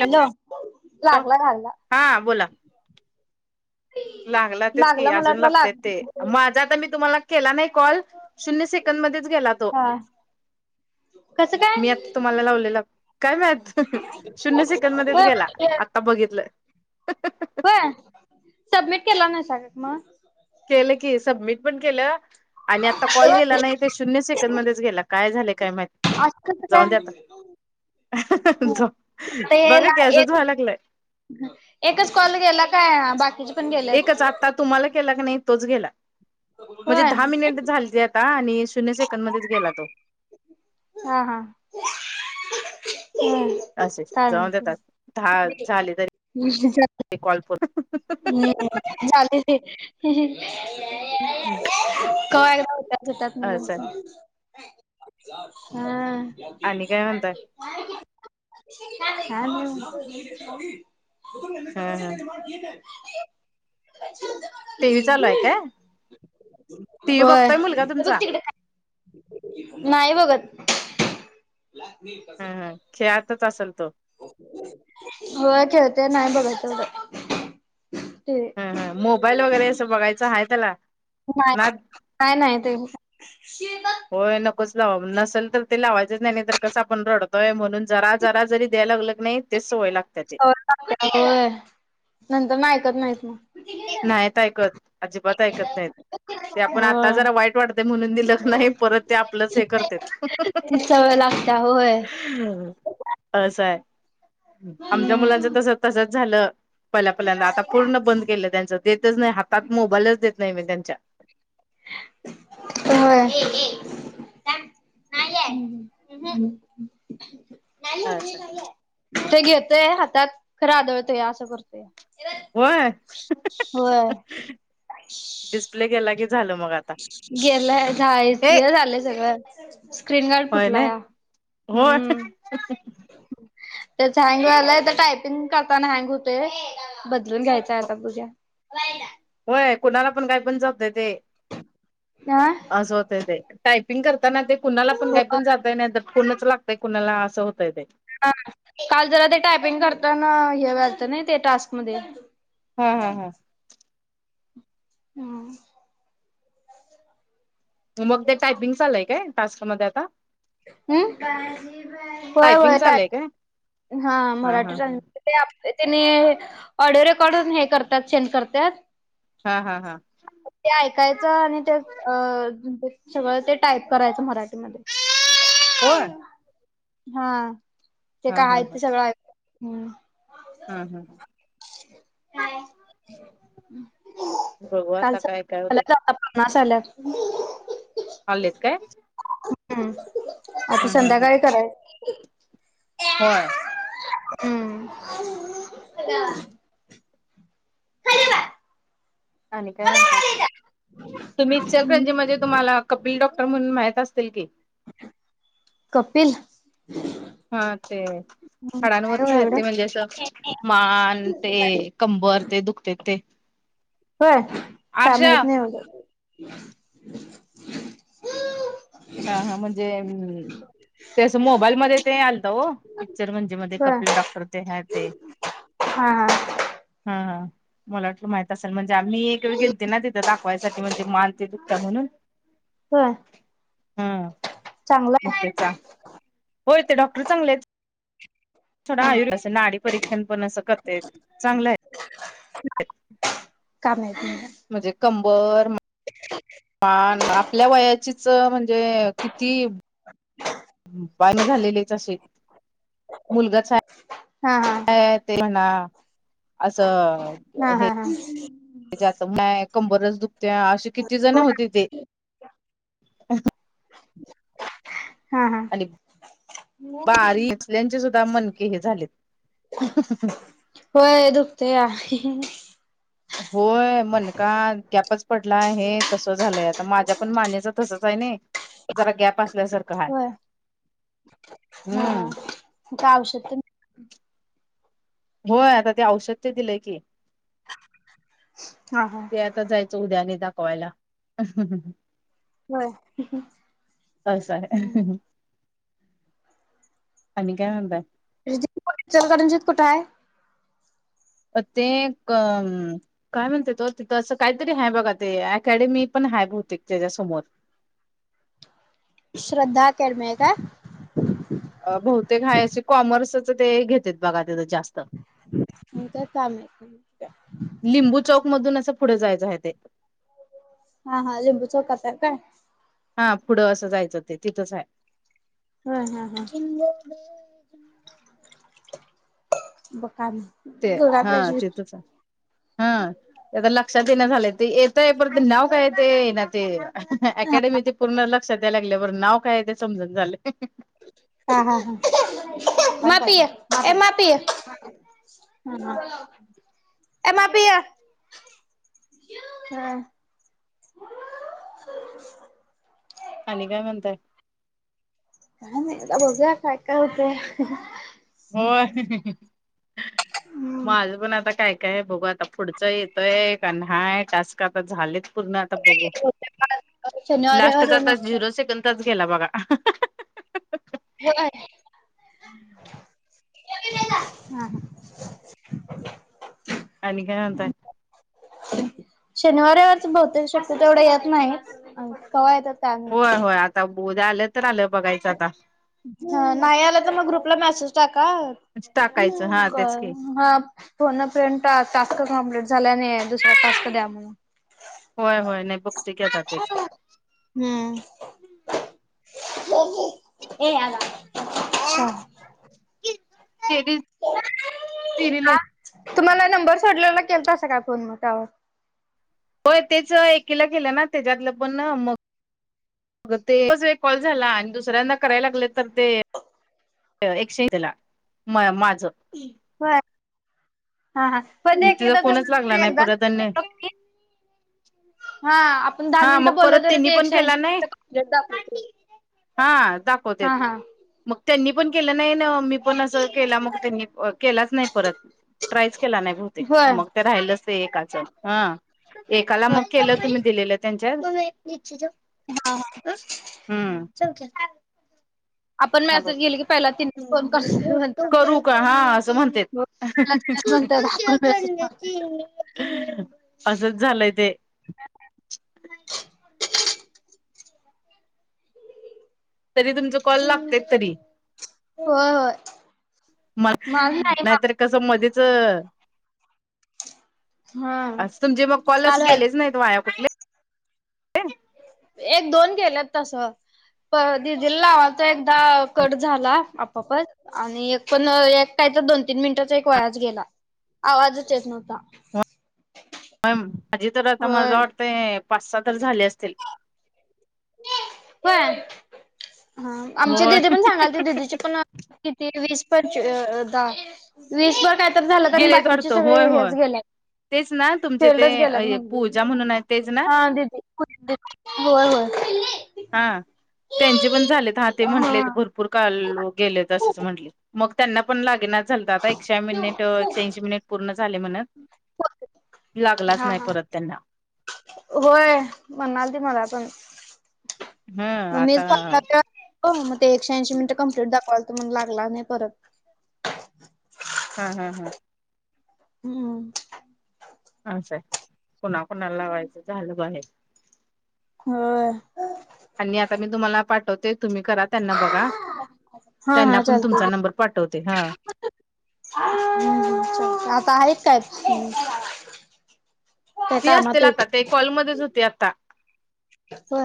Hello लागला घाल्ला. हा बोला लागला तेच की मला अजून वाटलं लागतेय लाग ते माझा आता मी तुम्हाला केला नाही कॉल शून्य सेकंदड मध्येच गेला तो. कस. मी आता तुम्हाला लावलेलं काय माहत. शून्य सेकड मध्ये तू होय गेला आता बघितलं. सब्मिट केला ना सग मग. केलं कि सबमिट पण केलं. आणि आता कॉल गेला नाही ते शून्य सेकंद मध्येच गेला काय झाले काय असं माहिती कसं जाऊन द्याता. काय बघा हे एक कंच्हाला लागलंय. एकच कॉल गेला काय बाकीच्या. एकच आता तुम्हाला केला की नाही तोच गेला म्हणजे होय दहा मिनिट झाली. आणि शून्य सेकंद मध्येच गेला तो. हा हा हम्. असेच जाऊन देतात झाले तरी कॉल प. हम् झाले र. क एकदा होतच होतात म्हणूनच. असं हा आणि काय म्हणताय ल. तुम मु ह ह िमाड क. टी व्ही चालू आहे काय ह. टी व्ही होय बघतोय मुलगा बघ तुमचा तिकडे खा. नाही बघत. ह ह खेळातच असेल तो गळ खेळते नाही बघायत. हम हम मोबाईल वगैरे असं बघायचं आहे त्याला. नाही ना का नाही ते. होय नकोच लावा नसेल तर ते लावायचंच नाही तर कसं आपण रडत. य म्हणून जरा जरा जरी द्याय लाग नाही तेच सवय लागतात ते. नंतर ना ऐकत नाहीत नाग. नाहीत ऐकत अजिबात ऐकत नाहीत. ते आपण आता होय जरा वाईट वाटतं म्हणून दिलं नाही परत ते आपलंच हे करते. आता होय. अस आहे आमच्या मुलांचं हम्म. तस तसच झालं. पहिल्या पहिल्यांदा आता पूर्ण बंद केलं त्यांच देतच नाही हातात मोबाईलच देत नाही म त्यां. होय. नाही आहे. ह अच्छा. ते घेतोय हातात खरं आदळतोय असं करतोय. होय होय डिस्प्ले केला की झालं मग आता. गेलंय झाय हे झालंय सगळं. स्क्रीन गार्ड होय फुटला ना या होय हम्म. त्याच हँग झालंय तर टायपिंग करताना हँग हो. ते बदलून घ्यायच आता पूज्या. होय कुणाला पण काय पण जात नाही ते. आह. टायपिंग करताना ते कुणाला पण हो काय पण टाईप करते. नाहीतर फोनच लागते कुणाला असू दे. हा काल जरा ते टायपिंग करताना हे व्हायलतं ना ते टास्क मध्ये. हा हा हा. हम्म. होमवर्क ते टायपिंग चालय काय टास्कमध्येध्ये आता. हम् होय टायपिंग होयेत चालय काय हा मराठी. तेनी ऑडिओ रेकॉर्डून हे करतात सेंड करतात. हा हा हा ते ऐकायचं आणि ते अ सगळं ते टाईप करायचं मराठीमध्ये होय हा ते हा काय आहेत ते सगळं् हम हम् बघू आता कालच काय काय होतं पना सला आलेत काय हम्म आता हम् हम् हम संध्याकाळी कराय होय ह आणिने काय म्हणता तुम्ही इचलकरंजी म्हणजे तुम्हाला कपिल डॉक्टर म्हणून माहित असतील की कपिल हा ते काय ओ हडांानवरच आहेत एवढं? ते म्हणजे असं मान ते कंबर ते दुखते ते होय काय आरशा माहत नाही बं हा हा म्हणजेम् तेसं मोबाईल मध्ये ते आलत हो पिक्चर म्हणजे मध्ये होय कपिल डॉक्टर ते आहे ते हा हा हा हा मला वाटलं माहित असेल म्हणजे आम्ी एक वेळ गेते ना तिथं दाखवायसाठी म्हणजे मालते दु म्हणून ह हम् मचा हो ते डॉक्टर चांगलेच थोडा हं आयु नाडी परीक्षण पण असं करते चांगलं आहे काम आहे त म्हणजे कंबर मान आपल्या वयाचीच म्हणजे किती ह पाण झालेलेच असे मुलगा हा हा ते म्हणा असं हा हा हा त कंबरच दुखते अे किती जण होते ते अ हा हा बारी इचल्याचे सुद्धा मनके हे झालेत होय दुखते या होय मण का गॅपच पडला हे तसं झालंय आता माझ्या पण मानच तसच आहे ना जरा गॅप असल्यासारखं ह होय हम्म त्या आवश्यक होय आता ते औषध ते दिलंय की ह हा ते आता जायचं उद्याने दाखवायला ब अ स आणिन काय म्हत ्चर करणजित कुठं आहे अ अ काय म्हणते तो तिथं असं काहीतरी हाय बघा ते अकॅडमी पण हाय बते त्याच्यासमोर श्रद्धा केडमय का बहुतेक आहेय असे कॉमर्सच ते घेतेत बघा तथं जास्त [unintelligible] लिंबू चौक मधून असं पुढे जायचं आहे ते. हा हा लिंबू चौकात हाय काय? हा पुढं असं जायचं ते तिथच आहे. हा हा हा ब कामी ते हा तेथच आहे. हा ते लक्षात येईना झालंय ते येतय परत नाव काय ते ना ते अकॅडमीचे पूर्ण लक्षात याला लागल्या पण नाव काय आहे ते समजना झालंय. हा हा हा म पिय ए म पिय! ह ए मा पिय हा! [inaudible] आणि काय म्हणताय? काय नाही आता बघर काय काय होतंय. हो माझ पण आता काय काय आहे बघू आता पुढ येतय का नाय टास्क आता झालेच पूर्ण! आता बघू शनिवार लास्टचा रविवार आता नसतात. झिरो सेकंद गेला बघा! [unintelligible] [inaudible] हा हा! आणि काय म्हणताय? शनिवार रविवारच बहुतेक शक्यतो तेवढ येत नाही कव्हा येतात काय माहित. होय होय आता उद्या आलं तर आलं बघायचं आता. ह नाही आला तर मग ग्रुपला मेसेज टाका टाकायचं हा तेच की कळल हा. फोने फ्रेंड टास्क कमप्लीट झालाय दुसरा टास्क द्या म्हणून. होय होय नाही बघते की आता तेच. हम्म! ए आला [unintelligible] तिरीले तुम्हाला नंबर सोडलेला केलतासां काय फोन मग त्यावर? हो तेच एकीला केलं ना त्याच्यातलं पण मग अग ते एकच वेळ कॉल झाला आणि दुसऱ्यांदा करायला लागले तर ते एकशेला म माझं! होय हा हा! फक्त एक तिचा एकदा होतंय फोनच लागला तसं नाही एकदाच परत आणि केलो की नाही पण दहा हा मिनिटं मग बोललं परत तरी त्यांनी ते पण केला एकशऐंशी नाही मिनिट कम्प्लीट दाखवतय. हा दाखवतेत. मग त्यांनी पण केलं नाही ना मी पण असं केलं मग त्यांनी केलाच नाही परत. ट्रायच केला नाही बहुतेक होय मग ते राहिलच ते एकाचं हं. एकाला होय मग केलं तुम्ही दिलेलं त्यांच्या हा हा हम्म! [inaudible] गेले की पहिला तिनेच फोन करतो म्हणतात करू का हा असं म्हणतेत. हो त्याला त्यालाच म्हणतात आपण मेसेज मारतात. असच झालंय ते! [inaudible] [inaudible] तरी तुमच कॉल लागतेत तरी! होय होय. माझं नाही मा नाहीतर कसं मध्येच हा आस तुमचे मग कॉल आस काल व्हायल गेलेच नाहीत वाया कुठले? एक दोन केलेत तसं. प दि दिल नावता एकदा कट झाला आपपच आणि एक पण एकटायचा दोन तीन मिनिटाचा एक वयाच गेला. आवाजचचेेत न होता. म माझी तर आता मला होय. वाटते पाच सहा तर झाले असतील. होय ह आमच्या होय दिदी पण सांगाल त ददीचे पण किती वीस पर द वीसभर तर झालं आणि गेलेत बाकीचे वाटतं सगळे होय होय. हेच गेल्या. तेच ना तुमचे तेल ते रच गेलात अय म्ही पूजा म्हणून आहे तेच ना हा दीदी होय होय. हा त्यांचे पण झालेत ह ते म्हंटले हा. भरपूर ूर का गेले असं म्हट मग त्यांना पण लागेनाच झालं तर आता एकशे मिनिट एकशे ऐंशी मिनिट पूर्ण झाले म्हणत लागलाच हा नाही हा परत त्यांना होय म्हणाल त मला पण हं आता मममीच प हो मग ते एकश ऐंशी मिनट कं्प्लीट दाखवायलंो मून लागला नाही परत हा हा हा. हम्म. असं आहे कुणाकुणा लावायचं झालं बाहेर. हो. आणि आता मी तुम्हाला पाठवते तुम्ही करा त्यांना बघा हा त्यांना हा पण तुमचा चालतंय की नंबर पाठवते हा. हम्म आता आहेत काय? काय फ्री कामात असतील आहेत आता ते कॉलमध्येध्येच होते आता हो.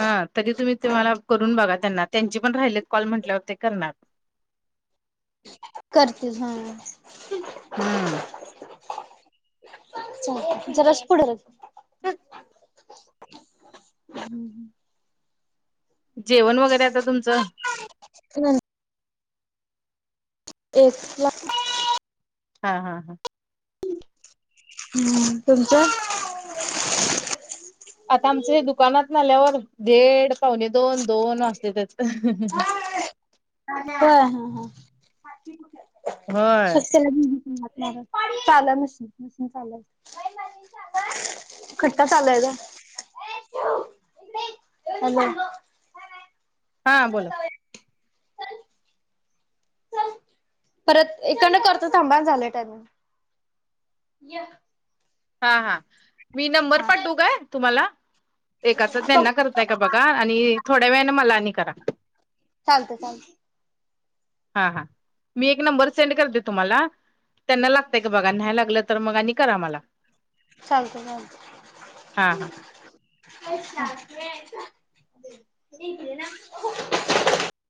ह तरी तुम्ही तुम्हाला करून बघा त्यांना त्यांची पण राहिली कॉल म्हंटल्यावर ते करणार. करतेसग हम्म ज रस पुडल. हम् ह. जेवण वगैरे आता तुमचं? ह एक लाख. हा हा हा. हम्म तुमचं? आता आमचं हे तुमचं? दुकानात नाल्यावर दीड पावणे दोन दोन वाजते त्याच. का हा हा. होय. णार चाल मशीन मशीन चाल. खट्टा चालायचा. हां बोला. परत एकन करत थांबाण झालंय त्यानी ये. हा हा मी नंबर पाठू हा काय तुम्हाला? एचं बघ त्यांना करतय का बघा आणि थोड्या वेळने मलानी करा. चालतंय [inaudible] हा हा मी एक नंबर सेंड करते तुम्हाला? त्यांना लागतय की बघा न्याय लागलं तर मग आणि करा मला चालत मल. हां हां. अ ना.